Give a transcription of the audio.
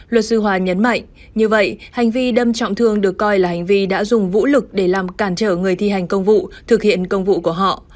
luật sư hòa nhấn mạnh như vậy hành vi đâm trọng thương được coi là hành vi đã dùng vũ lực để làm cản trở người thi hành công vụ thực hiện công vụ của họ